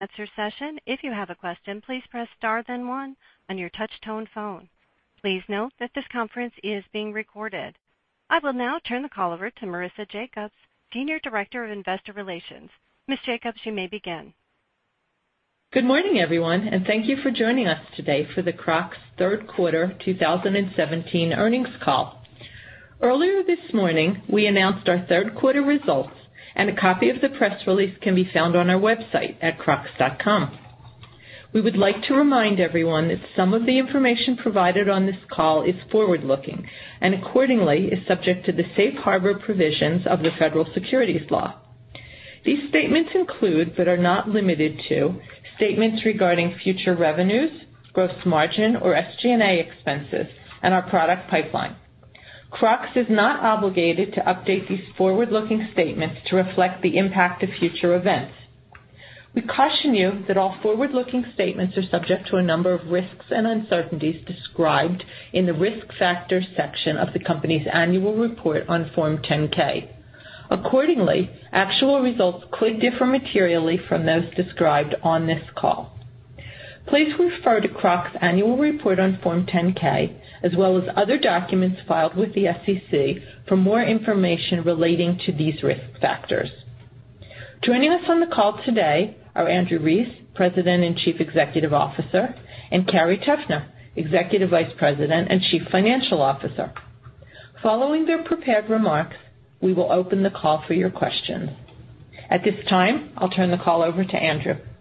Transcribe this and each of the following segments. That's your session. If you have a question, please press star then one on your touch-tone phone. Please note that this conference is being recorded. I will now turn the call over to Marisa Jacobs, Senior Director of Investor Relations. Ms. Jacobs, you may begin. Good morning, everyone, and thank you for joining us today for the Crocs third quarter 2017 earnings call. Earlier this morning, we announced our third quarter results, and a copy of the press release can be found on our website at crocs.com. We would like to remind everyone that some of the information provided on this call is forward-looking and accordingly is subject to the safe harbor provisions of the Federal Securities law. These statements include, but are not limited to, statements regarding future revenues, gross margin, or SG&A expenses and our product pipeline. Crocs is not obligated to update these forward-looking statements to reflect the impact of future events. We caution you that all forward-looking statements are subject to a number of risks and uncertainties described in the Risk Factors section of the company's annual report on Form 10-K. Actual results could differ materially from those described on this call. Please refer to Crocs Annual Report on Form 10-K, as well as other documents filed with the SEC for more information relating to these risk factors. Joining us on the call today are Andrew Rees, President and Chief Executive Officer, and Carrie Teffner, Executive Vice President and Chief Financial Officer. Following their prepared remarks, we will open the call for your questions. At this time, I'll turn the call over to Andrew. Thank you,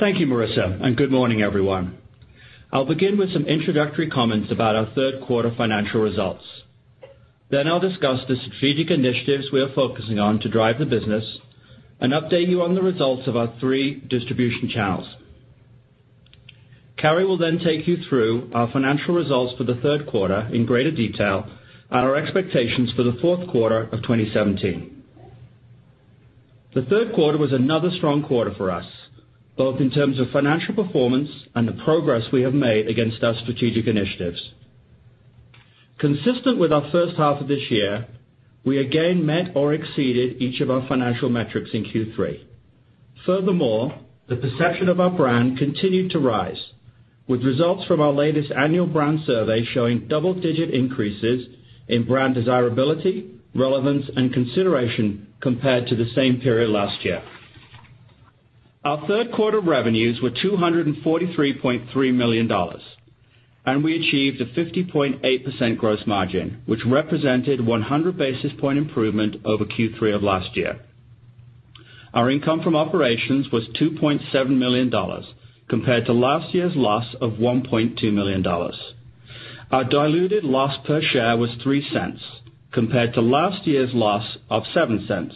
Marisa, and good morning, everyone. I'll begin with some introductory comments about our third quarter financial results. I'll discuss the strategic initiatives we are focusing on to drive the business and update you on the results of our three distribution channels. Carrie will then take you through our financial results for the third quarter in greater detail and our expectations for the fourth quarter of 2017. The third quarter was another strong quarter for us, both in terms of financial performance and the progress we have made against our strategic initiatives. Consistent with our first half of this year, we again met or exceeded each of our financial metrics in Q3. The perception of our brand continued to rise, with results from our latest annual brand survey showing double-digit increases in brand desirability, relevance and consideration compared to the same period last year. Our third quarter revenues were $243.3 million, and we achieved a 50.8% gross margin, which represented 100-basis point improvement over Q3 of last year. Our income from operations was $2.7 million compared to last year's loss of $1.2 million. Our diluted loss per share was $0.03 compared to last year's loss of $0.07.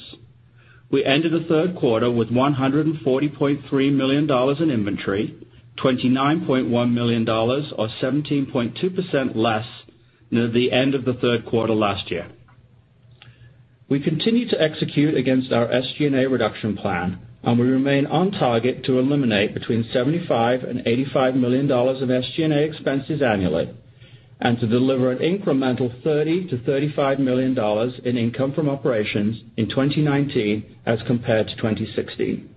We ended the third quarter with $140.3 million in inventory, $29.1 million, or 17.2% less than the end of the third quarter last year. We continue to execute against our SG&A reduction plan, and we remain on target to eliminate between $75 million and $85 million of SG&A expenses annually, and to deliver an incremental $30 million to $35 million in income from operations in 2019 as compared to 2016.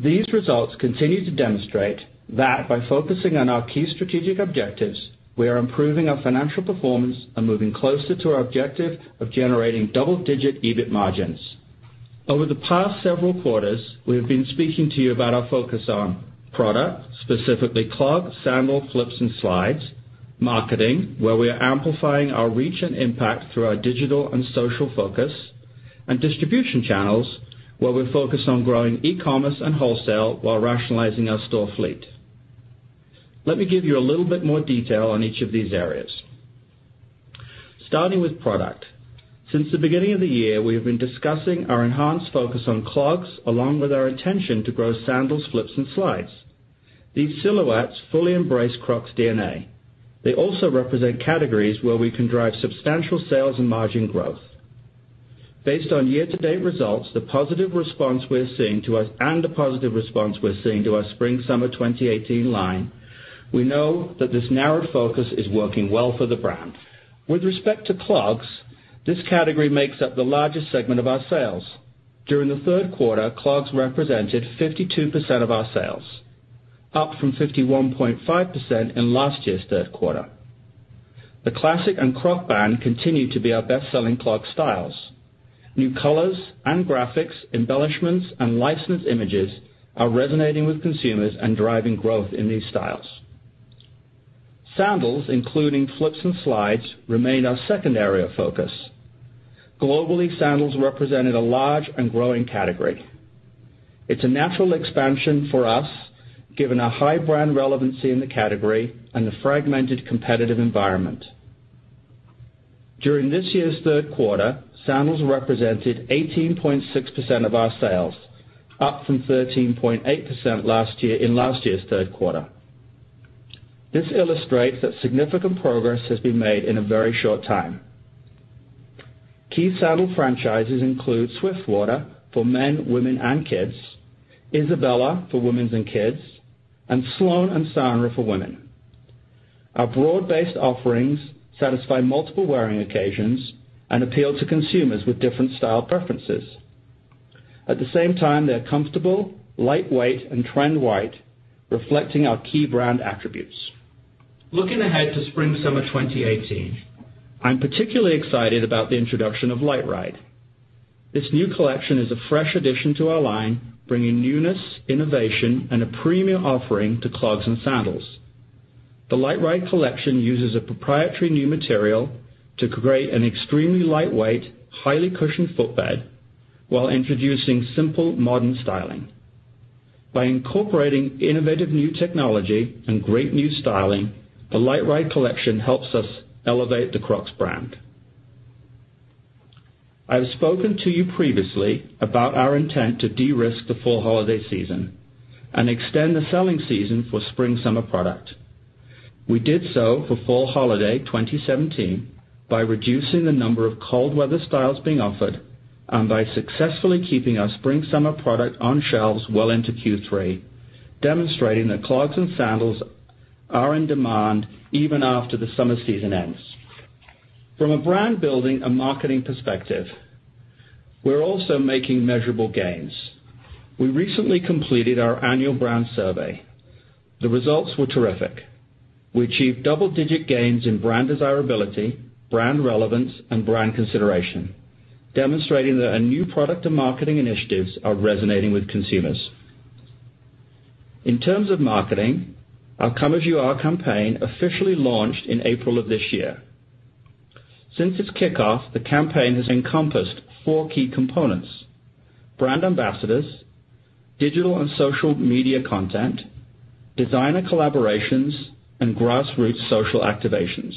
These results continue to demonstrate that by focusing on our key strategic objectives, we are improving our financial performance and moving closer to our objective of generating double-digit EBIT margins. Over the past several quarters, we have been speaking to you about our focus on product, specifically clog, sandal, flips, and slides, marketing, where we are amplifying our reach and impact through our digital and social focus, and distribution channels, where we're focused on growing e-commerce and wholesale while rationalizing our store fleet. Let me give you a little bit more detail on each of these areas. Starting with product. Since the beginning of the year, we have been discussing our enhanced focus on clogs, along with our intention to grow sandals, flips, and slides. These silhouettes fully embrace Crocs DNA. They also represent categories where we can drive substantial sales and margin growth. Based on year-to-date results, the positive response we're seeing to our. The positive response we're seeing to our spring-summer 2018 line, we know that this narrowed focus is working well for the brand. With respect to clogs, this category makes up the largest segment of our sales. During the third quarter, clogs represented 52% of our sales, up from 51.5% in last year's third quarter. The Classic and Crocband continue to be our best-selling clog styles. New colors and graphics, embellishments, and licensed images are resonating with consumers and driving growth in these styles. Sandals, including flips and slides, remain our second area of focus. Globally, sandals represented a large and growing category. It's a natural expansion for us, given our high brand relevancy in the category and the fragmented competitive environment. During this year's third quarter, sandals represented 18.6% of our sales, up from 13.8% last year in last year's third quarter. This illustrates that significant progress has been made in a very short time. Key sandal franchises include Swiftwater for men, women and kids, Isabella for women's and kids, and Sloane and Sanrah for women. Our broad-based offerings satisfy multiple wearing occasions and appeal to consumers with different style preferences. At the same time, they're comfortable, lightweight, and trend-right, reflecting our key brand attributes. Looking ahead to spring-summer 2018, I'm particularly excited about the introduction of LiteRide. This new collection is a fresh addition to our line, bringing newness, innovation, and a premium offering to clogs and sandals. The LiteRide collection uses a proprietary new material to create an extremely lightweight, highly cushioned footbed while introducing simple modern styling. By incorporating innovative new technology and great new styling, the LiteRide collection helps us elevate the Crocs brand. I have spoken to you previously about our intent to de-risk the fall holiday season and extend the selling season for spring-summer product. We did so for fall holiday 2017 by reducing the number of cold weather styles being offered and by successfully keeping our spring-summer product on shelves well into Q3, demonstrating that clogs and sandals are in demand even after the summer season ends. From a brand-building and marketing perspective, we're also making measurable gains. We recently completed our annual brand survey. The results were terrific. We achieved double-digit gains in brand desirability, brand relevance, and brand consideration, demonstrating that our new product and marketing initiatives are resonating with consumers. In terms of marketing, our Come As You Are campaign officially launched in April of this year. Since its kickoff, the campaign has encompassed four key components: brand ambassadors, digital and social media content, designer collaborations, and grassroots social activations.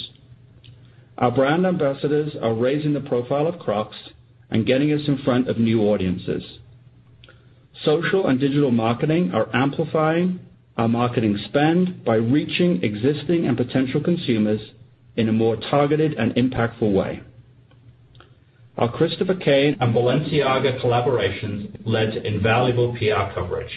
Our brand ambassadors are raising the profile of Crocs and getting us in front of new audiences. Social and digital marketing are amplifying our marketing spend by reaching existing and potential consumers in a more targeted and impactful way. Our Christopher Kane and Balenciaga collaborations led to invaluable PR coverage,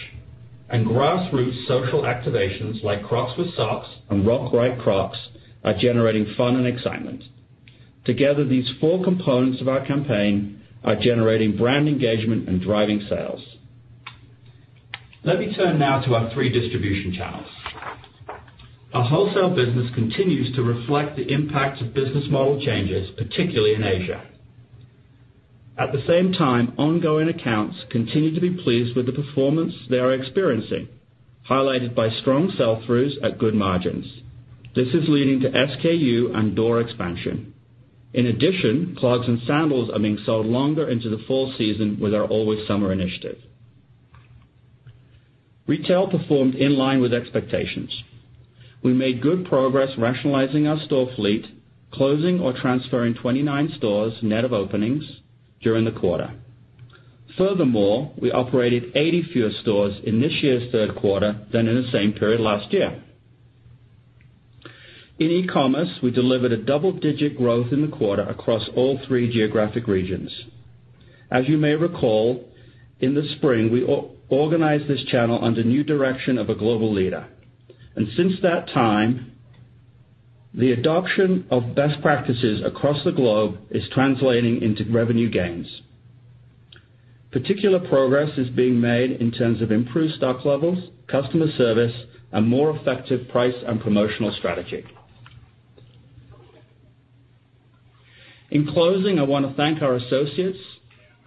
and grassroots social activations like Crocs with Socks and Rock Your Crocs are generating fun and excitement. Together, these four components of our campaign are generating brand engagement and driving sales. Let me turn now to our three distribution channels. Our wholesale business continues to reflect the impact of business model changes, particularly in Asia. At the same time, ongoing accounts continue to be pleased with the performance they are experiencing, highlighted by strong sell-throughs at good margins. This is leading to SKU and door expansion. In addition, clogs and sandals are being sold longer into the fall season with our Always Summer initiative. Retail performed in line with expectations. We made good progress rationalizing our store fleet, closing or transferring 29 stores net of openings during the quarter. Furthermore, we operated 80 fewer stores in this year's third quarter than in the same period last year. In e-commerce, we delivered a double-digit growth in the quarter across all three geographic regions. As you may recall, in the spring, we organized this channel under new direction of a global leader. Since that time, the adoption of best practices across the globe is translating into revenue gains. Particular progress is being made in terms of improved stock levels, customer service, and more effective price and promotional strategy. In closing, I want to thank our associates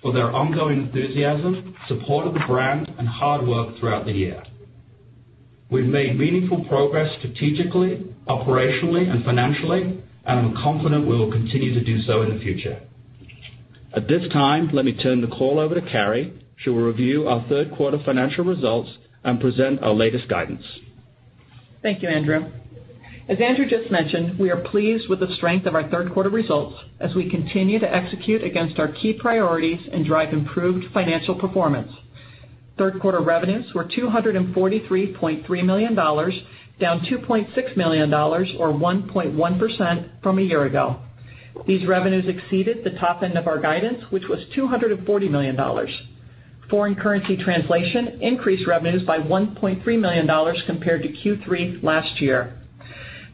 for their ongoing enthusiasm, support of the brand, and hard work throughout the year. We've made meaningful progress strategically, operationally, and financially, and I'm confident we will continue to do so in the future. At this time, let me turn the call over to Carrie. She will review our third quarter financial results and present our latest guidance. Thank you, Andrew. As Andrew just mentioned, we are pleased with the strength of our third quarter results as we continue to execute against our key priorities and drive improved financial performance. Third quarter revenues were $243.3 million, down $2.6 million, or 1.1% from a year ago. These revenues exceeded the top end of our guidance, which was $240 million. Foreign currency translation increased revenues by $1.3 million compared to Q3 last year.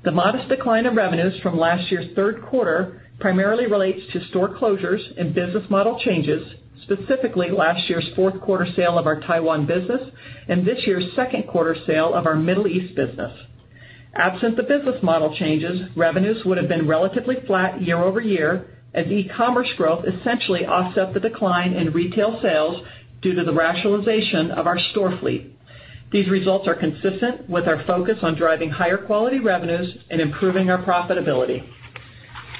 The modest decline in revenues from last year's third quarter primarily relates to store closures and business model changes, specifically last year's fourth quarter sale of our Taiwan business and this year's second quarter sale of our Middle East business. Absent the business model changes, revenues would have been relatively flat year-over-year as e-commerce growth essentially offset the decline in retail sales due to the rationalization of our store fleet. These results are consistent with our focus on driving higher quality revenues and improving our profitability.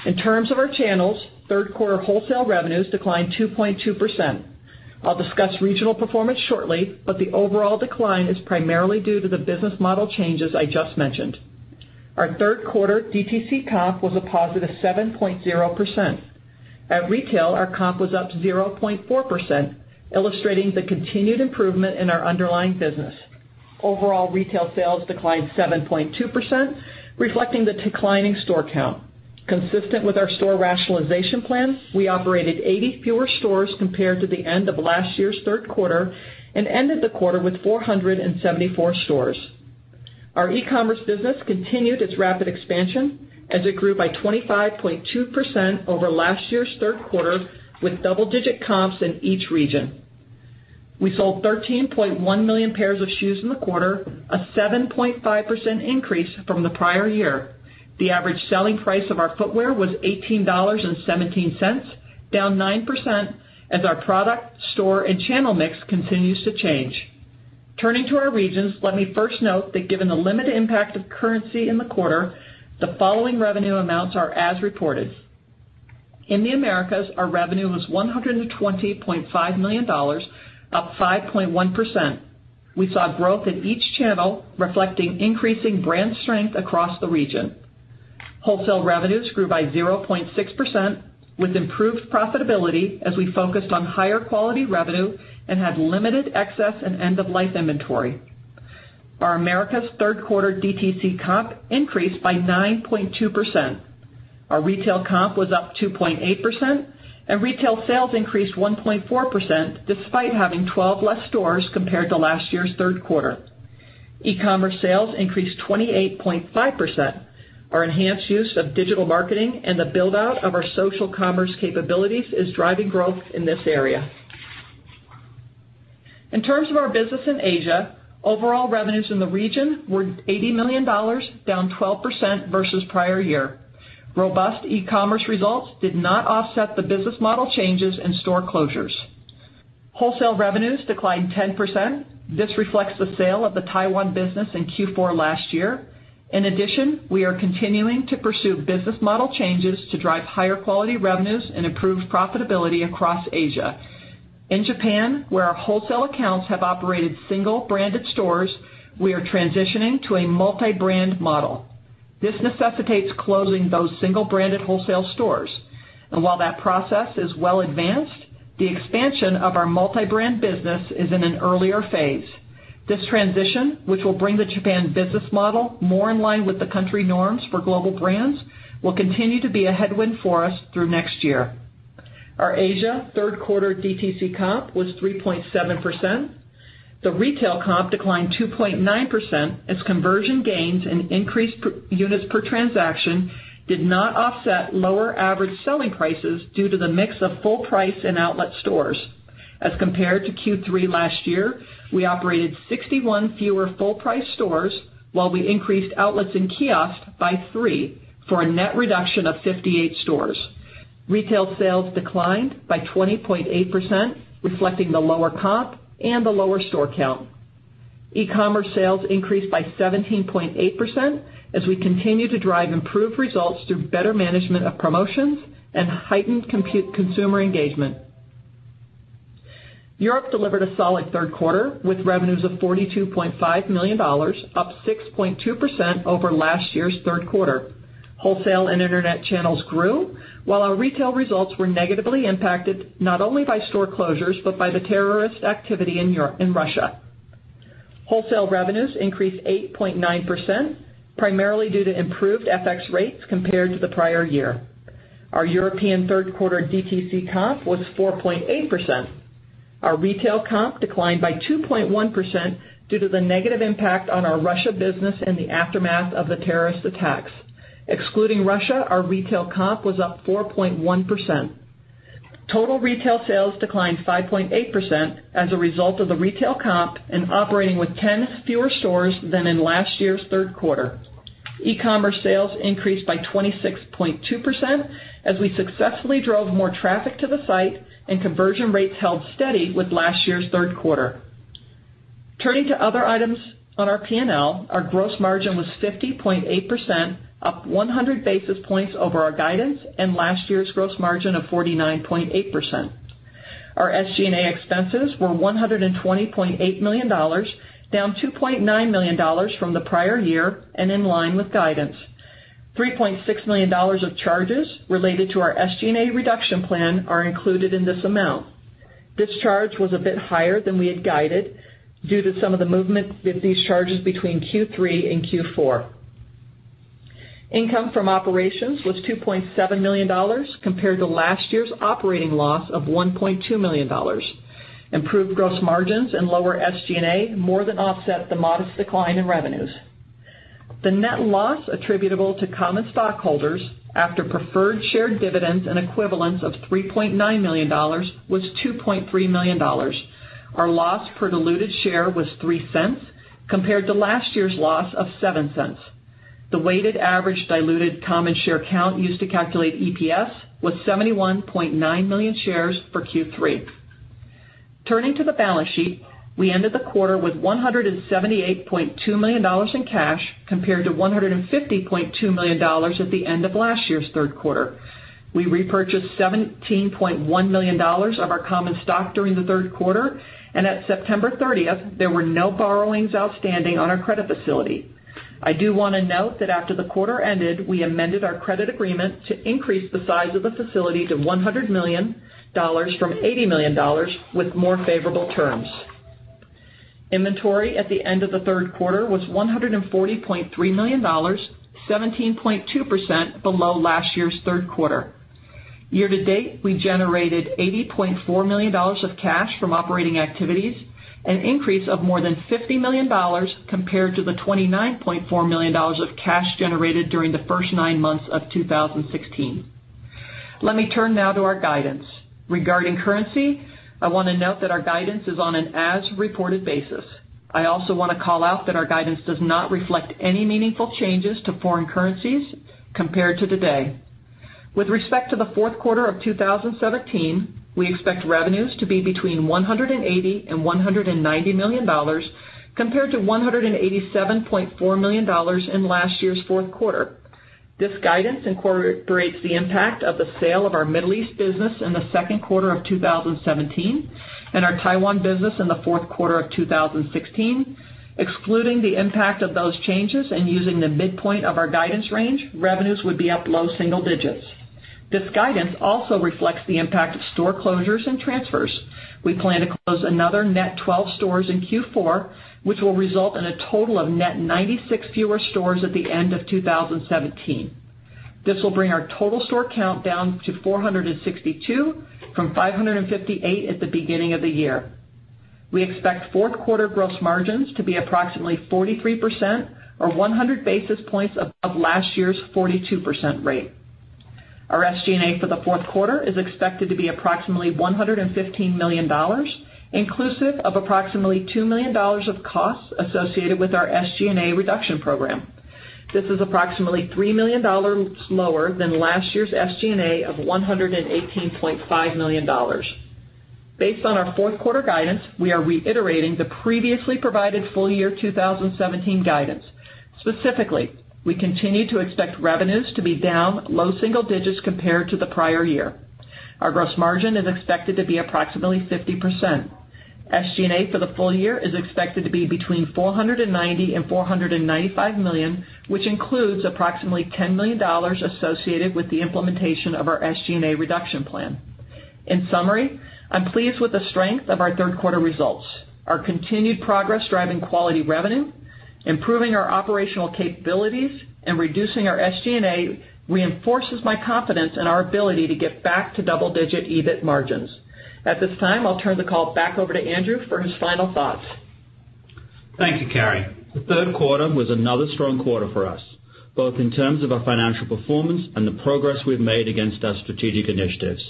In terms of our channels, third quarter wholesale revenues declined 2.2%. I will discuss regional performance shortly, but the overall decline is primarily due to the business model changes I just mentioned. Our third quarter DTC comp was a positive 7.0%. At retail, our comp was up 0.4%, illustrating the continued improvement in our underlying business. Overall, retail sales declined 7.2%, reflecting the declining store count. Consistent with our store rationalization plan, we operated 80 fewer stores compared to the end of last year's third quarter and ended the quarter with 474 stores. Our e-commerce business continued its rapid expansion as it grew by 25.2% over last year's third quarter with double-digit comps in each region. We sold 13.1 million pairs of shoes in the quarter, a 7.5% increase from the prior year. The average selling price of our footwear was $18.17, down 9% as our product, store, and channel mix continues to change. Turning to our regions, let me first note that given the limited impact of currency in the quarter, the following revenue amounts are as reported. In the Americas, our revenue was $120.5 million, up 5.1%. We saw growth in each channel, reflecting increasing brand strength across the region. Wholesale revenues grew by 0.6% with improved profitability as we focused on higher quality revenue and had limited excess and end-of-life inventory. Our Americas' third quarter DTC comp increased by 9.2%. Our retail comp was up 2.8%, and retail sales increased 1.4%, despite having 12 less stores compared to last year's third quarter. E-commerce sales increased 28.5%. Our enhanced use of digital marketing and the build-out of our social commerce capabilities is driving growth in this area. In terms of our business in Asia, overall revenues in the region were $80 million, down 12% versus prior year. Robust e-commerce results did not offset the business model changes and store closures. Wholesale revenues declined 10%. This reflects the sale of the Taiwan business in Q4 last year. In addition, we are continuing to pursue business model changes to drive higher quality revenues and improved profitability across Asia. In Japan, where our wholesale accounts have operated single-branded stores, we are transitioning to a multi-brand model. This necessitates closing those single-branded wholesale stores. While that process is well advanced, the expansion of our multi-brand business is in an earlier phase. This transition, which will bring the Japan business model more in line with the country norms for global brands, will continue to be a headwind for us through next year. Our Asia third quarter DTC comp was 3.7%. The retail comp declined 2.9% as conversion gains and increased units per transaction did not offset lower average selling prices due to the mix of full price and outlet stores. As compared to Q3 last year, we operated 61 fewer full price stores while we increased outlets and kiosks by 3 for a net reduction of 58 stores. Retail sales declined by 20.8%, reflecting the lower comp and the lower store count. E-commerce sales increased by 17.8% as we continue to drive improved results through better management of promotions and heightened consumer engagement. Europe delivered a solid third quarter with revenues of $42.5 million, up 6.2% over last year's third quarter. Wholesale and internet channels grew while our retail results were negatively impacted, not only by store closures, but by the terrorist activity in Russia. Wholesale revenues increased 8.9%, primarily due to improved FX rates compared to the prior year. Our European third quarter DTC comp was 4.8%. Our retail comp declined by 2.1% due to the negative impact on our Russia business and the aftermath of the terrorist attacks. Excluding Russia, our retail comp was up 4.1%. Total retail sales declined 5.8% as a result of the retail comp and operating with 10 fewer stores than in last year's third quarter. E-commerce sales increased by 26.2% as we successfully drove more traffic to the site, and conversion rates held steady with last year's third quarter. Turning to other items on our P&L. Our gross margin was 50.8%, up 100 basis points over our guidance and last year's gross margin of 49.8%. Our SG&A expenses were $120.8 million, down $2.9 million from the prior year and in line with guidance. $3.6 million of charges related to our SG&A reduction plan are included in this amount. This charge was a bit higher than we had guided due to some of the movement with these charges between Q3 and Q4. Income from operations was $2.7 million compared to last year's operating loss of $1.2 million. Improved gross margins and lower SG&A more than offset the modest decline in revenues. The net loss attributable to common stockholders after preferred shared dividends and equivalents of $3.9 million was $2.3 million. Our loss per diluted share was $0.03 compared to last year's loss of $0.07. The weighted average diluted common share count used to calculate EPS was 71.9 million shares for Q3. Turning to the balance sheet, we ended the quarter with $178.2 million in cash compared to $150.2 million at the end of last year's third quarter. We repurchased $17.1 million of our common stock during the third quarter, and at September 30th, there were no borrowings outstanding on our credit facility. I do want to note that after the quarter ended, we amended our credit agreement to increase the size of the facility to $100 million from $80 million with more favorable terms. Inventory at the end of the third quarter was $140.3 million, 17.2% below last year's third quarter. Year-to-date, we generated $80.4 million of cash from operating activities, an increase of more than $50 million compared to the $29.4 million of cash generated during the first nine months of 2016. Let me turn now to our guidance. Regarding currency, I want to note that our guidance is on an as-reported basis. I also want to call out that our guidance does not reflect any meaningful changes to foreign currencies compared to today. With respect to the fourth quarter of 2017, we expect revenues to be between $180 million and $190 million, compared to $187.4 million in last year's fourth quarter. This guidance incorporates the impact of the sale of our Middle East business in the second quarter of 2017 and our Taiwan business in the fourth quarter of 2016. Excluding the impact of those changes and using the midpoint of our guidance range, revenues would be up low single digits. This guidance also reflects the impact of store closures and transfers. We plan to close another net 12 stores in Q4, which will result in a total of net 96 fewer stores at the end of 2017. This will bring our total store count down to 462 from 558 at the beginning of the year. We expect fourth quarter gross margins to be approximately 43%, or 100 basis points above last year's 42% rate. Our SG&A for the fourth quarter is expected to be approximately $115 million, inclusive of approximately $2 million of costs associated with our SG&A reduction program. This is approximately $3 million lower than last year's SG&A of $118.5 million. Based on our fourth quarter guidance, we are reiterating the previously provided full year 2017 guidance. Specifically, we continue to expect revenues to be down low single digits compared to the prior year. Our gross margin is expected to be approximately 50%. SG&A for the full year is expected to be between $490 million and $495 million, which includes approximately $10 million associated with the implementation of our SG&A reduction plan. In summary, I'm pleased with the strength of our third quarter results. Our continued progress driving quality revenue, improving our operational capabilities, and reducing our SG&A reinforces my confidence in our ability to get back to double-digit EBIT margins. At this time, I'll turn the call back over to Andrew for his final thoughts. Thank you, Carrie. The third quarter was another strong quarter for us, both in terms of our financial performance and the progress we've made against our strategic initiatives.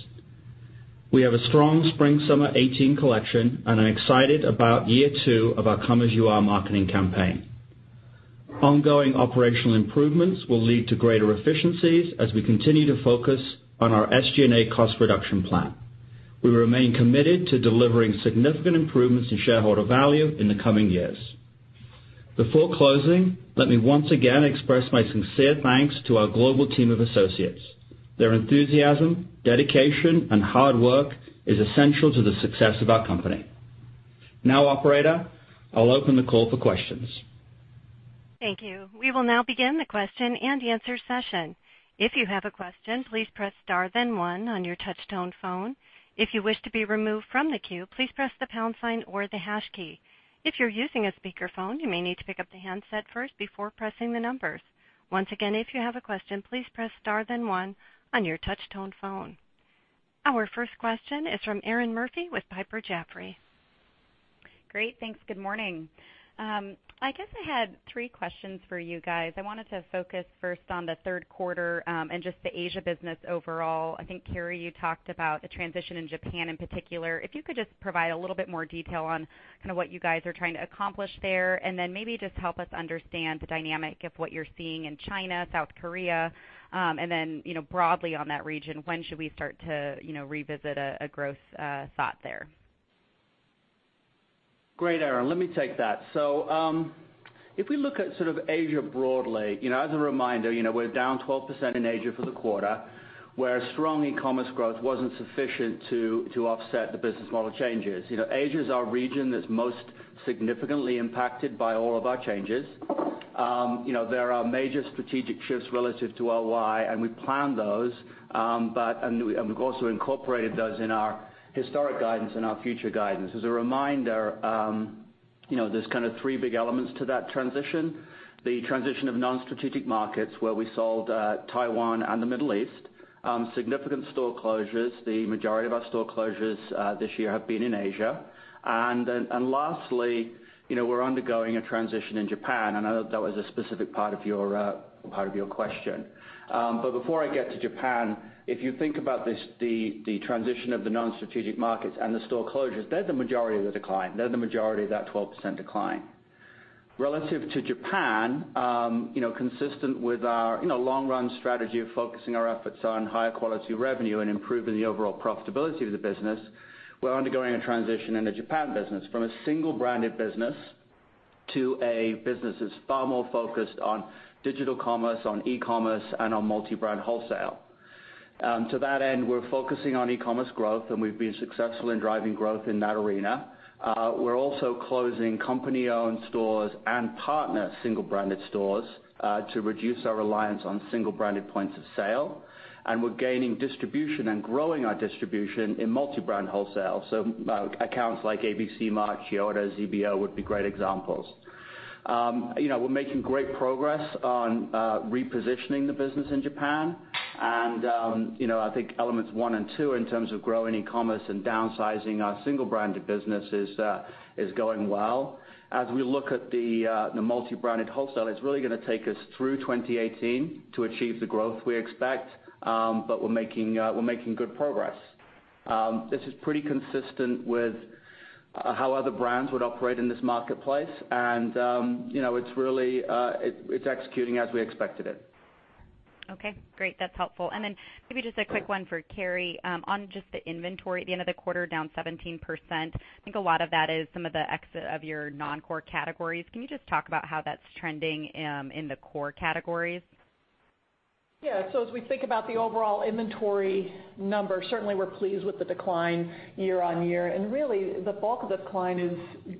We have a strong spring-summer 2018 collection, and I'm excited about year two of our Come As You Are marketing campaign. Ongoing operational improvements will lead to greater efficiencies as we continue to focus on our SG&A cost reduction plan. We remain committed to delivering significant improvements in shareholder value in the coming years. Before closing, let me once again express my sincere thanks to our global team of associates. Their enthusiasm, dedication, and hard work is essential to the success of our company. Operator, I'll open the call for questions. Thank you. We will now begin the question-and-answer session. If you have a question, please press star then one on your touch tone phone. If you wish to be removed from the queue, please press the pound sign or the hash key. If you're using a speakerphone, you may need to pick up the handset first before pressing the numbers. Once again, if you have a question, please press star then one on your touch tone phone. Our first question is from Erinn Murphy with Piper Jaffray. Great. Thanks. Good morning. I guess I had three questions for you guys. I wanted to focus first on the third quarter and just the Asia business overall. I think, Carrie, you talked about the transition in Japan in particular. If you could just provide a little bit more detail on what you guys are trying to accomplish there, and then maybe just help us understand the dynamic of what you're seeing in China, South Korea, and then broadly on that region, when should we start to revisit a growth thought there? Great, Erinn. Let me take that. If we look at Asia broadly, as a reminder, we're down 12% in Asia for the quarter, where strong e-commerce growth wasn't sufficient to offset the business model changes. Asia is our region that's most significantly impacted by all of our changes. There are major strategic shifts relative to prior year, and I planned those, and we've also incorporated those in our historic guidance and our future guidance. As a reminder, there's kind of three big elements to that transition. The transition of non-strategic markets, where we sold Taiwan and the Middle East. Significant store closures. The majority of our store closures this year have been in Asia. Lastly, we're undergoing a transition in Japan. I know that was a specific part of your question. Before I get to Japan, if you think about the transition of the non-strategic markets and the store closures, they're the majority of the decline. They're the majority of that 12% decline. Relative to Japan, consistent with our long-run strategy of focusing our efforts on higher quality revenue and improving the overall profitability of the business, we're undergoing a transition in the Japan business from a single-branded business to a business that's far more focused on digital commerce, on e-commerce, and on multi-brand wholesale. To that end, we're focusing on e-commerce growth, and we've been successful in driving growth in that arena. We're also closing company-owned stores and partner single-branded stores to reduce our reliance on single-branded points of sale. We're gaining distribution and growing our distribution in multi-brand wholesale. Accounts like ABC-Mart, Chiyoda, Xebio would be great examples. We're making great progress on repositioning the business in Japan. I think elements 1 and 2, in terms of growing e-commerce and downsizing our single-branded business, is going well. As we look at the multi-branded wholesale, it's really going to take us through 2018 to achieve the growth we expect, we're making good progress. This is pretty consistent with how other brands would operate in this marketplace, it's executing as we expected it. Okay, great. That's helpful. Maybe just a quick one for Carrie. On just the inventory at the end of the quarter, down 17%, I think a lot of that is some of the exit of your non-core categories. Can you just talk about how that's trending in the core categories? Yeah. As we think about the overall inventory number, certainly we're pleased with the decline year-on-year. Really, the bulk of the decline is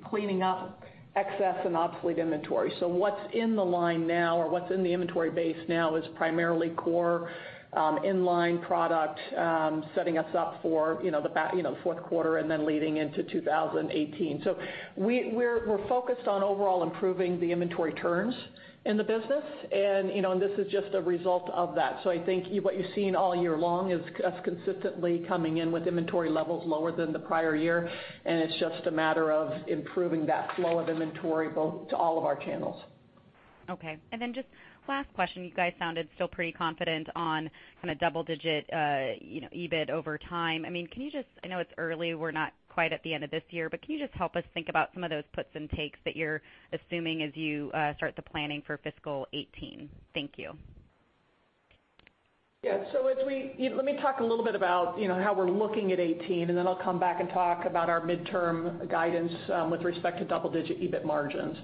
cleaning up excess and obsolete inventory. What's in the line now, or what's in the inventory base now is primarily core inline product, setting us up for the fourth quarter leading into 2018. We're focused on overall improving the inventory turns in the business, this is just a result of that. I think what you've seen all year long is us consistently coming in with inventory levels lower than the prior year, it's just a matter of improving that flow of inventory to all of our channels. Okay. Just last question, you guys sounded still pretty confident on double-digit EBIT over time. I know it's early, we're not quite at the end of this year, can you just help us think about some of those puts and takes that you're assuming as you start the planning for fiscal 2018? Thank you. Let me talk a little bit about how we're looking at 2018, then I'll come back and talk about our midterm guidance with respect to double-digit EBIT margins.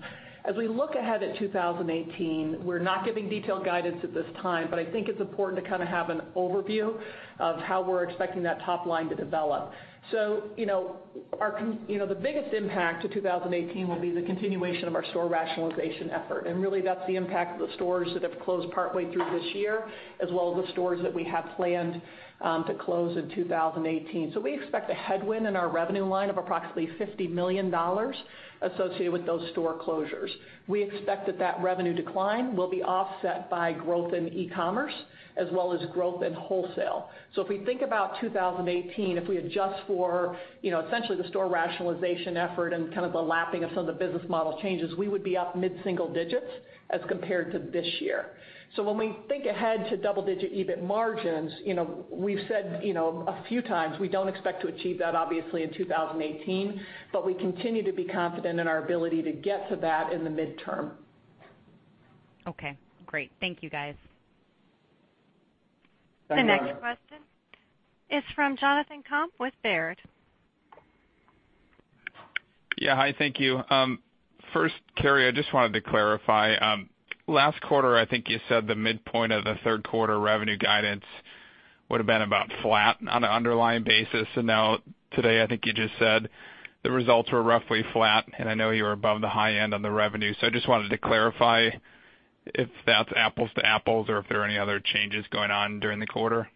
As we look ahead at 2018, we're not giving detailed guidance at this time, but I think it's important to have an overview of how we're expecting that top line to develop. The biggest impact to 2018 will be the continuation of our store rationalization effort, and really that's the impact of the stores that have closed partway through this year, as well as the stores that we have planned to close in 2018. We expect a headwind in our revenue line of approximately $50 million associated with those store closures. We expect that revenue decline will be offset by growth in e-commerce as well as growth in wholesale. If we think about 2018, if we adjust for essentially the store rationalization effort and the lapping of some of the business model changes, we would be up mid-single digits as compared to this year. When we think ahead to double-digit EBIT margins, we've said a few times we don't expect to achieve that, obviously, in 2018, but we continue to be confident in our ability to get to that in the midterm. Okay, great. Thank you, guys. Thanks, Erinn. The next question is from Jonathan Komp with Baird. Yeah. Hi, thank you. First, Carrie, I just wanted to clarify. Last quarter, I think you said the midpoint of the third quarter revenue guidance would have been about flat on an underlying basis, and now today, I think you just said the results were roughly flat, and I know you were above the high end on the revenue. I just wanted to clarify if that's apples to apples or if there are any other changes going on during the quarter.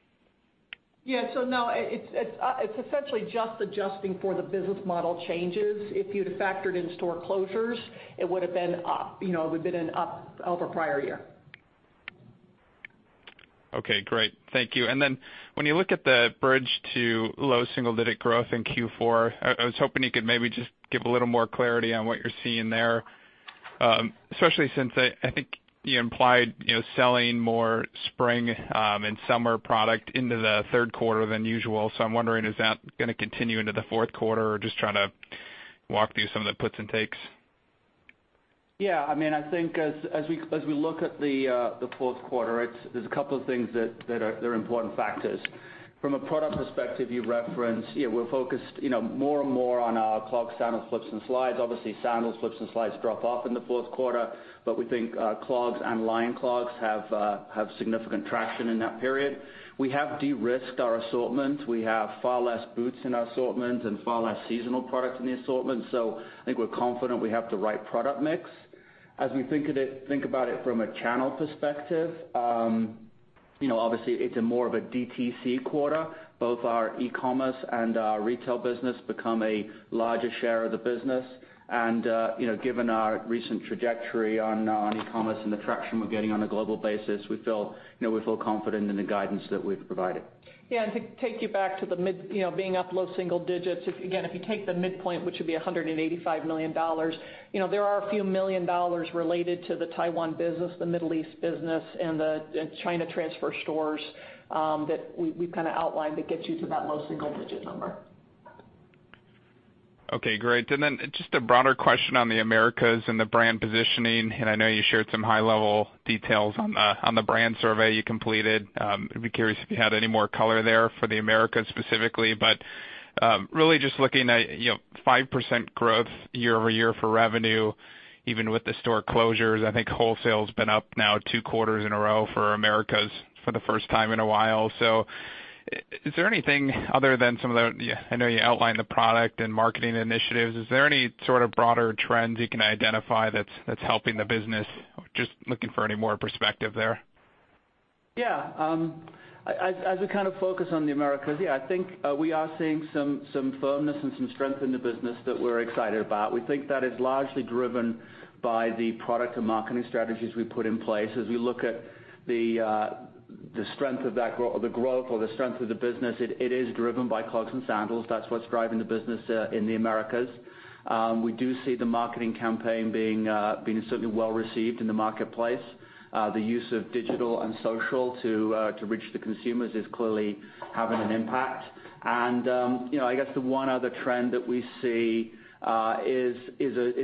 Yeah. No, it's essentially just adjusting for the business model changes. If you'd have factored in store closures, it would've been an up over prior year. Okay, great. Thank you. When you look at the bridge to low single-digit growth in Q4, I was hoping you could maybe just give a little more clarity on what you're seeing there, especially since I think you implied selling more spring and summer product into the third quarter than usual. I'm wondering, is that going to continue into the fourth quarter? Or just trying to walk through some of the puts and takes. Yeah. I think as we look at the fourth quarter, there's a couple of things that are important factors. From a product perspective, you referenced, we're focused more and more on our clog sandals, flips, and slides. Obviously, sandals, flips, and slides drop off in the fourth quarter, but we think clogs and line clogs have significant traction in that period. We have de-risked our assortment. We have far less boots in our assortment and far less seasonal products in the assortment. I think we're confident we have the right product mix. As we think about it from a channel perspective, obviously it's more of a DTC quarter. Both our e-commerce and our retail business become a larger share of the business. Given our recent trajectory on e-commerce and the traction we're getting on a global basis, we feel confident in the guidance that we've provided. Yeah. To take you back to being up low single digits, again, if you take the midpoint, which would be $185 million, there are a few million dollars related to the Taiwan business, the Middle East business, and the China transfer stores that we've outlined that gets you to that low single-digit number. Okay, great. Then just a broader question on the Americas and the brand positioning, I know you shared some high-level details on the brand survey you completed. I'd be curious if you had any more color there for the Americas specifically. Really just looking at 5% growth year-over-year for revenue, even with the store closures. I think wholesale's been up now two quarters in a row for Americas for the first time in a while. Is there anything other than some of the I know you outlined the product and marketing initiatives. Is there any sort of broader trends you can identify that's helping the business? Just looking for any more perspective there. Yeah. As we focus on the Americas, I think we are seeing some firmness and some strength in the business that we're excited about. We think that is largely driven by the product and marketing strategies we put in place. As we look at the growth or the strength of the business, it is driven by clogs and sandals. That's what's driving the business in the Americas. We do see the marketing campaign being certainly well-received in the marketplace. The use of digital and social to reach the consumers is clearly having an impact. I guess the one other trend that we see is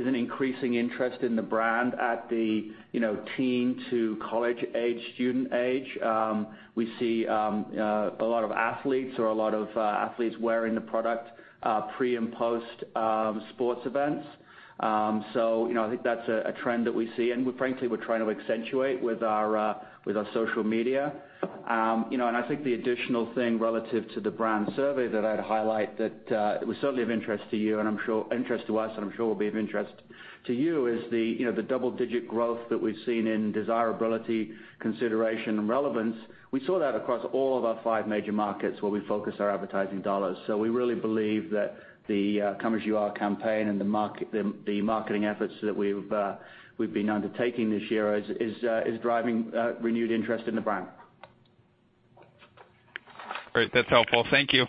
an increasing interest in the brand at the teen to college age, student age. We see a lot of athletes wearing the product pre and post sports events. I think that's a trend that we see, and frankly, we're trying to accentuate with our social media. I think the additional thing relative to the brand survey that I'd highlight that was certainly of interest to you and interest to us, and I'm sure will be of interest to you, is the double-digit growth that we've seen in desirability, consideration, and relevance. We saw that across all of our five major markets where we focus our advertising dollars. We really believe that the Come As You Are campaign and the marketing efforts that we've been undertaking this year is driving renewed interest in the brand. Great. That's helpful. Thank you.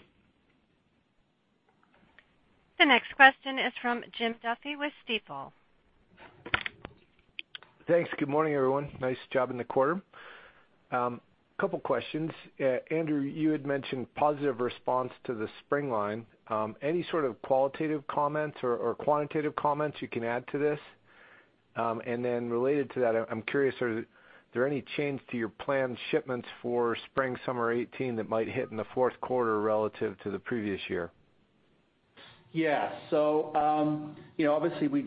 The next question is from Jim Duffy with Stifel. Thanks. Good morning, everyone. Nice job in the quarter. Couple questions. Andrew, you had mentioned positive response to the spring line. Any sort of qualitative comments or quantitative comments you can add to this? And then related to that, I'm curious, are there any change to your planned shipments for spring/summer 2018 that might hit in the fourth quarter relative to the previous year? Yeah. Obviously we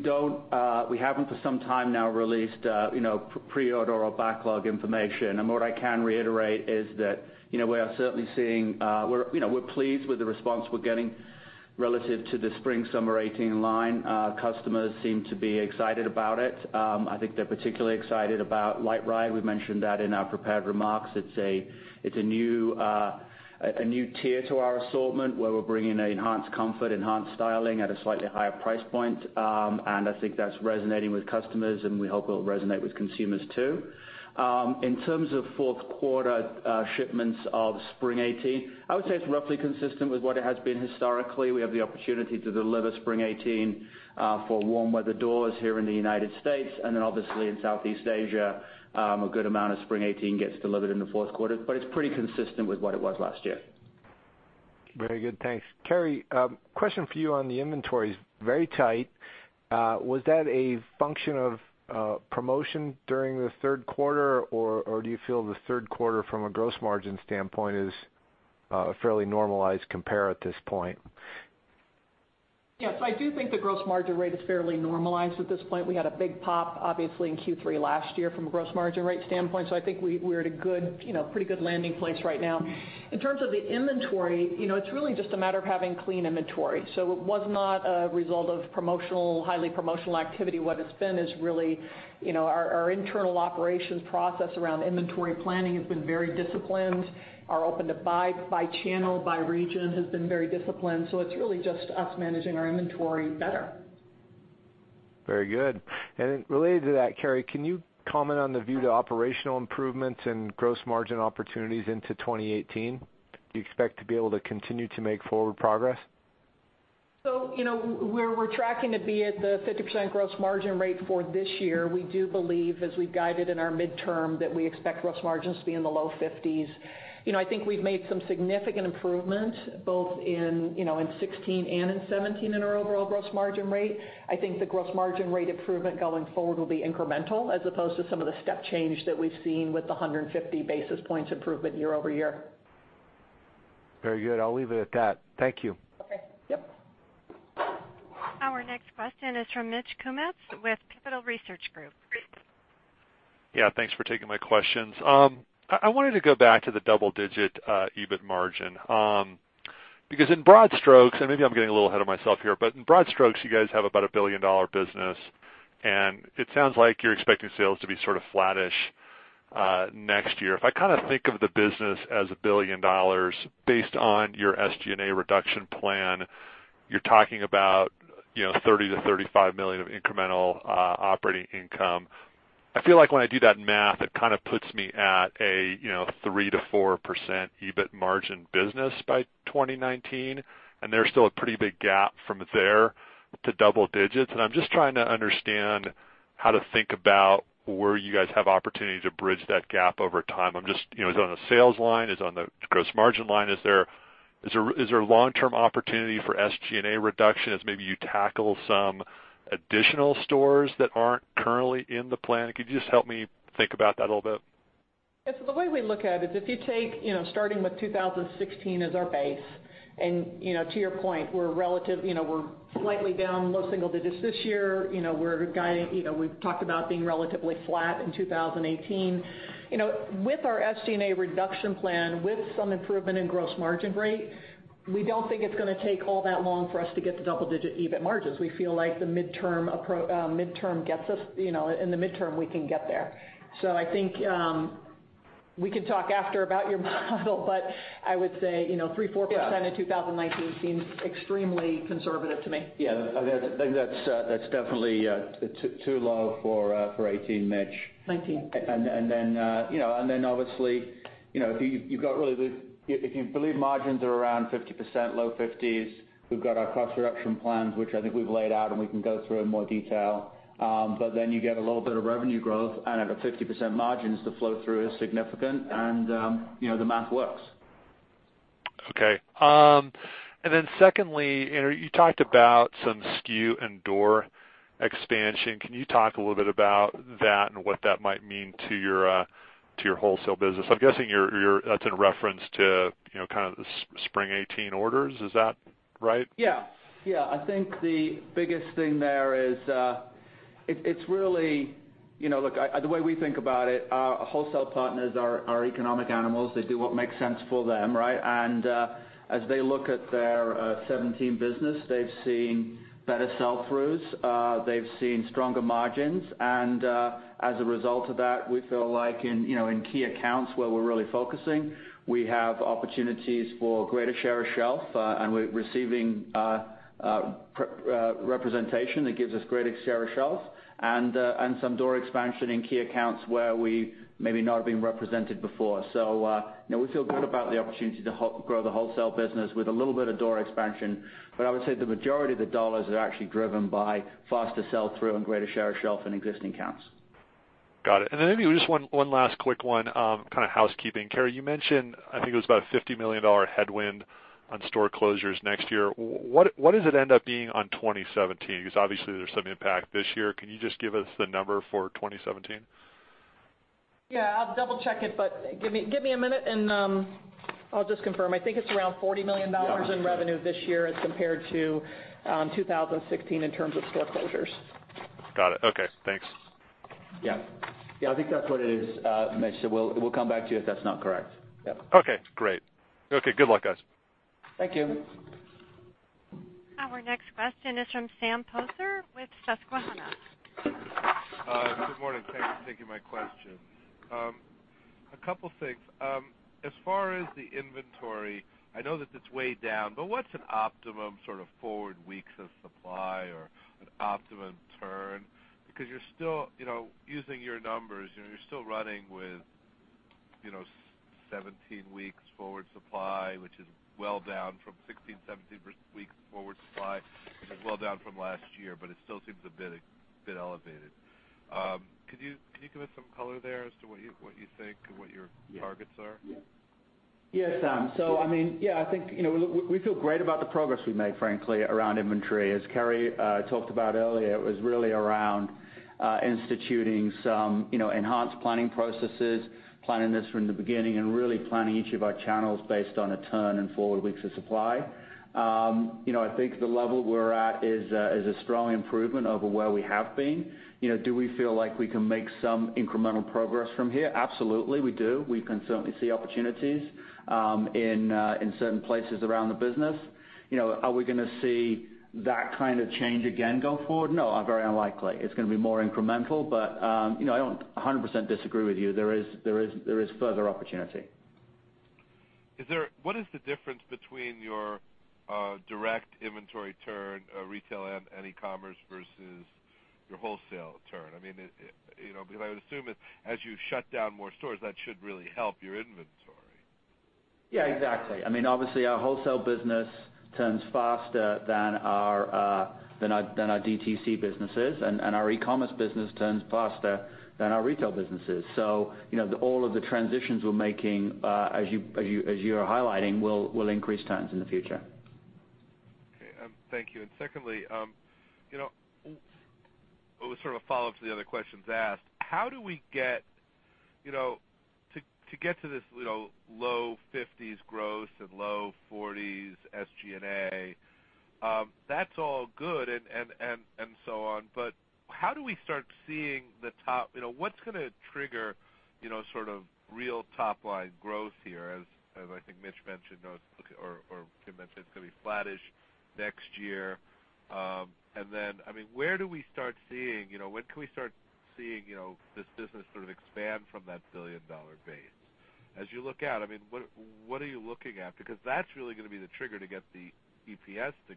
haven't, for some time now, released pre-order or backlog information. What I can reiterate is that we're pleased with the response we're getting relative to the spring/summer 2018 line. Customers seem to be excited about it. I think they're particularly excited about LiteRide. We've mentioned that in our prepared remarks. It's a new tier to our assortment where we're bringing an enhanced comfort, enhanced styling at a slightly higher price point. I think that's resonating with customers, and we hope it'll resonate with consumers, too. In terms of fourth quarter shipments of spring 2018, I would say it's roughly consistent with what it has been historically. We have the opportunity to deliver spring 2018 for warm weather doors here in the U.S., obviously in Southeast Asia, a good amount of spring 2018 gets delivered in the fourth quarter. It's pretty consistent with what it was last year. Very good. Thanks. Carrie, question for you on the inventories. Very tight. Was that a function of promotion during the third quarter, or do you feel the third quarter from a gross margin standpoint is a fairly normalized compare at this point? Yes, I do think the gross margin rate is fairly normalized at this point. We had a big pop, obviously, in Q3 last year from a gross margin rate standpoint. I think we're at a pretty good landing place right now. In terms of the inventory, it's really just a matter of having clean inventory. It was not a result of highly promotional activity. What it's been is really our internal operations process around inventory planning has been very disciplined. Our open to buy by channel, by region has been very disciplined. It's really just us managing our inventory better. Very good. Related to that, Carrie, can you comment on the view to operational improvements and gross margin opportunities into 2018? Do you expect to be able to continue to make forward progress? Where we're tracking to be at the 50% gross margin rate for this year, we do believe, as we've guided in our midterm, that we expect gross margins to be in the low 50s. I think we've made some significant improvements both in 2016 and in 2017 in our overall gross margin rate. I think the gross margin rate improvement going forward will be incremental as opposed to some of the step change that we've seen with the 150 basis points improvement year-over-year. Very good. I'll leave it at that. Thank you. Okay. Yep. Our next question is from Mitch Kumetz with Pivotal Research Group. Great. Yeah, thanks for taking my questions. I wanted to go back to the double-digit EBIT margin. In broad strokes, and maybe I'm getting a little ahead of myself here, but in broad strokes, you guys have about a billion-dollar business, and it sounds like you're expecting sales to be sort of flat-ish next year. If I think of the business as $1 billion based on your SG&A reduction plan, you're talking about $30 million-$35 million of incremental operating income. I feel like when I do that math, it kind of puts me at a 3%-4% EBIT margin business by 2019, and there's still a pretty big gap from there to double digits. I'm just trying to understand how to think about where you guys have opportunity to bridge that gap over time. Is it on the sales line? Is it on the gross margin line? Is there long-term opportunity for SG&A reduction as maybe you tackle some additional stores that aren't currently in the plan? Could you just help me think about that a little bit? Yeah. The way we look at it is if you take starting with 2016 as our base, to your point, we're slightly down low single digits this year. We've talked about being relatively flat in 2018. With our SG&A reduction plan, with some improvement in gross margin rate, we don't think it's going to take all that long for us to get to double-digit EBIT margins. We feel like in the midterm, we can get there. We can talk after about your model, but I would say 3%-4% in 2019 seems extremely conservative to me. Yeah. That's definitely too low for 2018, Mitch. '19. Obviously, if you believe margins are around 50%, low 50s, we've got our cost reduction plans, which I think we've laid out, and we can go through in more detail. You get a little bit of revenue growth and at a 50% margins, the flow-through is significant and the math works. Okay. Secondly, you talked about some SKU and door expansion. Can you talk a little bit about that and what that might mean to your wholesale business? I'm guessing that's in reference to, kind of the spring 2018 orders. Is that right? Yeah. I think the biggest thing there is, the way we think about it, our wholesale partners are economic animals. They do what makes sense for them, right? As they look at their 2017 business, they've seen better sell-throughs. They've seen stronger margins and, as a result of that, we feel like in key accounts where we're really focusing, we have opportunities for greater share of shelf, and we're receiving representation that gives us greater share of shelf. Some door expansion in key accounts where we maybe not have been represented before. We feel good about the opportunity to grow the wholesale business with a little bit of door expansion. I would say the majority of the dollars are actually driven by faster sell-through and greater share of shelf in existing accounts. Got it. Then maybe just one last quick one, kind of housekeeping. Carrie, you mentioned, I think it was about a $50 million headwind on store closures next year. What does it end up being on 2017? Because obviously there's some impact this year. Can you just give us the number for 2017? Yeah, I'll double-check it, but give me a minute and I'll just confirm. I think it's around $40 million in revenue this year as compared to 2016 in terms of store closures. Got it. Okay, thanks. Yeah. I think that's what it is, Mitch. We'll come back to you if that's not correct. Yep. Okay, great. Okay. Good luck, guys. Thank you. Our next question is from Sam Poser with Susquehanna. Hi. Good morning. Thank you for taking my question. A couple things. As far as the inventory, I know that it's way down, but what's an optimum sort of forward weeks of supply or an optimum turn? Because using your numbers, you're still running with 17 weeks forward supply, which is well down from 16, 17 weeks forward supply, which is well down from last year, but it still seems a bit elevated. Can you give us some color there as to what you think and what your targets are? Yeah, Sam. I think, we feel great about the progress we've made, frankly, around inventory. As Carrie talked about earlier, it was really around instituting some enhanced planning processes, planning this from the beginning, and really planning each of our channels based on a turn in forward weeks of supply. I think the level we're at is a strong improvement over where we have been. Do we feel like we can make some incremental progress from here? Absolutely, we do. We can certainly see opportunities in certain places around the business. Are we going to see that kind of change again going forward? No, very unlikely. It's going to be more incremental, but, I don't 100% disagree with you. There is further opportunity. What is the difference between your direct inventory turn, retail and e-commerce versus your wholesale turn? Because I would assume as you shut down more stores, that should really help your inventory. Yeah, exactly. Obviously, our wholesale business turns faster than our DTC businesses. Our e-commerce business turns faster than our retail businesses. All of the transitions we're making, as you were highlighting, will increase turns in the future. Okay. Thank you. Secondly, sort of a follow-up to the other questions asked. To get to this low 50s gross and low 40s SG&A, that's all good, and so on. How do we start seeing the top What's going to trigger sort of real top-line growth here as I think Mitch mentioned, or Jim mentioned, it's going to be flattish next year. Where do we start seeing, when can we start seeing this business sort of expand from that billion-dollar base? As you look out, what are you looking at? Because that's really going to be the trigger to get the EPS to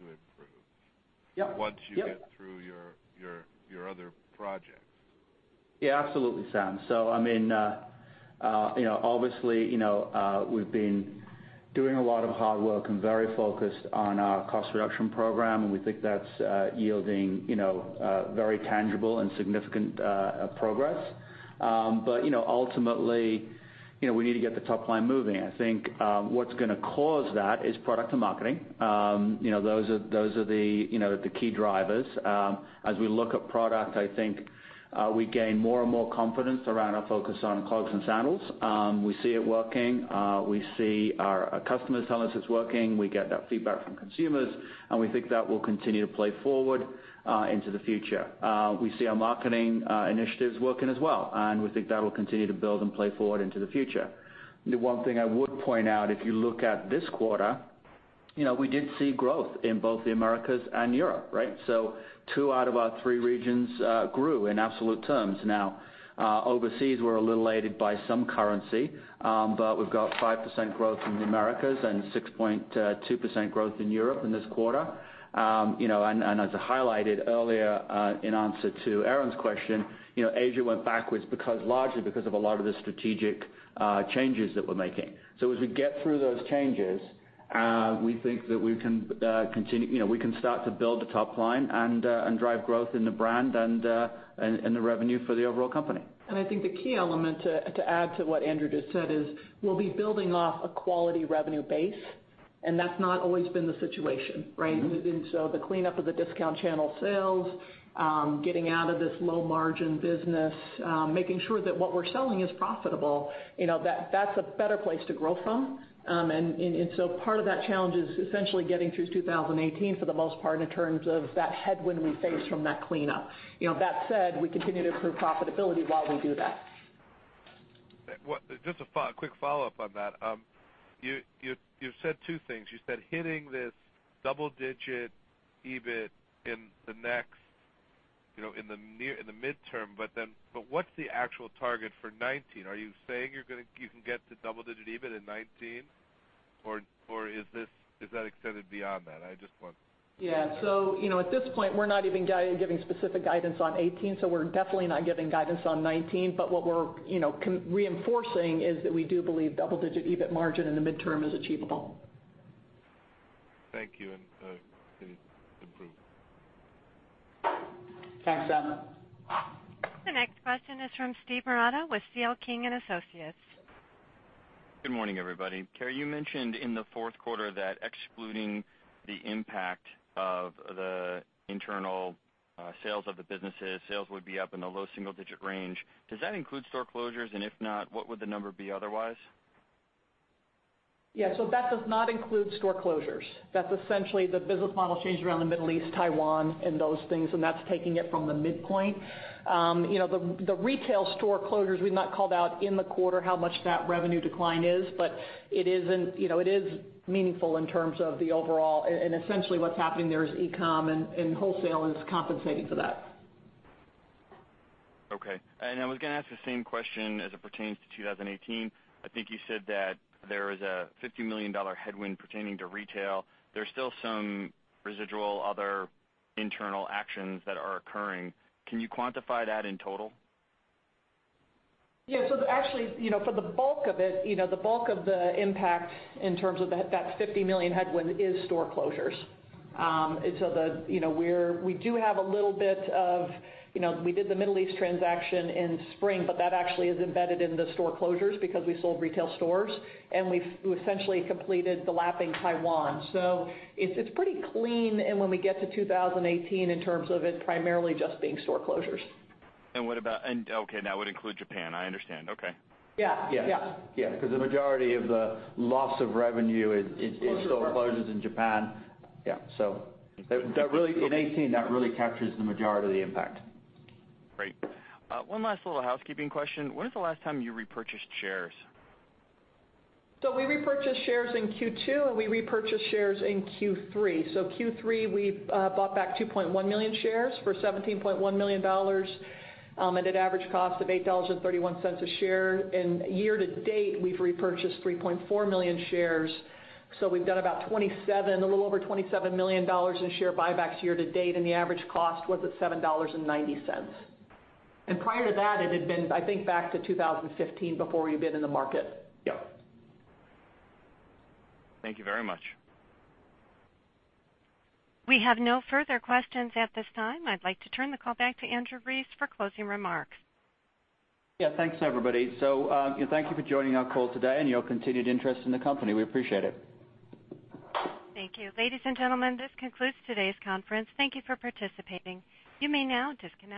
improve- Yep once you get through your other projects. Absolutely, Sam. Obviously, we've been doing a lot of hard work and very focused on our cost reduction program, and we think that's yielding very tangible and significant progress. Ultimately, we need to get the top line moving. I think what's going to cause that is product and marketing. Those are the key drivers. As we look at product, I think we gain more and more confidence around our focus on clogs and sandals. We see it working. We see our customers tell us it's working. We get that feedback from consumers, and we think that will continue to play forward into the future. We see our marketing initiatives working as well, and we think that will continue to build and play forward into the future. The one thing I would point out, if you look at this quarter, we did see growth in both the Americas and Europe, right? Two out of our three regions grew in absolute terms. Overseas, we're a little aided by some currency, but we've got 5% growth in the Americas and 6.2% growth in Europe in this quarter. As I highlighted earlier in answer to Erinn's question, Asia went backwards largely because of a lot of the strategic changes that we're making. As we get through those changes, we think that we can start to build the top line and drive growth in the brand and the revenue for the overall company. I think the key element, to add to what Andrew just said, is we'll be building off a quality revenue base, and that's not always been the situation, right? The cleanup of the discount channel sales, getting out of this low-margin business, making sure that what we're selling is profitable. That's a better place to grow from. Part of that challenge is essentially getting through 2018 for the most part in terms of that headwind we face from that cleanup. That said, we continue to improve profitability while we do that. Just a quick follow-up on that. You've said two things. You said hitting this double-digit EBIT in the midterm, what's the actual target for 2019? Are you saying you can get to double-digit EBIT in 2019, or is that extended beyond that? I just wonder. Yeah. At this point, we're not even giving specific guidance on 2018, we're definitely not giving guidance on 2019. What we're reinforcing is that we do believe double-digit EBIT margin in the midterm is achievable. Thank you, and it's approved. Thanks, Sam Poser. The next question is from Steven Marotta with C.L. King & Associates. Good morning, everybody. Carrie Teffner, you mentioned in the fourth quarter that excluding the impact of the internal sales of the businesses, sales would be up in the low single-digit range. Does that include store closures? If not, what would the number be otherwise? Yeah. That does not include store closures. That's essentially the business model change around the Middle East, Taiwan, and those things, and that's taking it from the midpoint. The retail store closures, we've not called out in the quarter how much that revenue decline is, but it is meaningful in terms of the overall. Essentially, what's happening there is e-com and wholesale is compensating for that. I was going to ask the same question as it pertains to 2018. I think you said that there is a $50 million headwind pertaining to retail. There's still some residual other internal actions that are occurring. Can you quantify that in total? Yeah. Actually, for the bulk of it, the bulk of the impact in terms of that $50 million headwind is store closures. We did the Middle East transaction in spring, but that actually is embedded in the store closures because we sold retail stores, and we essentially completed the lap in Taiwan. It's pretty clean when we get to 2018 in terms of it primarily just being store closures. What about Okay, that would include Japan. I understand. Okay. Yeah. Yeah. Because the majority of the loss of revenue is. Store closures Store closures in Japan. Yeah. In 2018, that really captures the majority of the impact. Great. One last little housekeeping question. When is the last time you repurchased shares? We repurchased shares in Q2, and we repurchased shares in Q3. Q3, we bought back 2.1 million shares for $17.1 million at an average cost of $8.31 a share. Year to date, we've repurchased 3.4 million shares. We've done a little over $27 million in share buybacks year to date, and the average cost was at $7.90. Prior to that, it had been, I think, back to 2015, before we've been in the market. Yep. Thank you very much. We have no further questions at this time. I'd like to turn the call back to Andrew Rees for closing remarks. Yeah. Thanks, everybody. Thank you for joining our call today and your continued interest in the company. We appreciate it. Thank you. Ladies and gentlemen, this concludes today's conference. Thank you for participating. You may now disconnect.